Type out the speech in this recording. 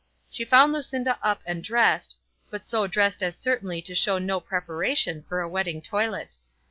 She found Lucinda up and dressed, but so dressed as certainly to show no preparation for a wedding toilet.